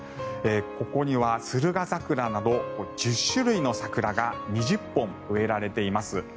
ここにはスルガザクラなど１０種類の桜が２０本植えられています。